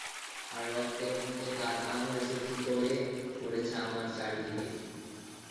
আর রক্তের মতো তার আভা এসে ঠিকরে পড়ছে আমার চারদিকে।